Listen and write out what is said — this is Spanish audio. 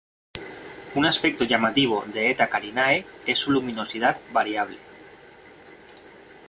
Un aspecto llamativo de Eta Carinae es su luminosidad variable.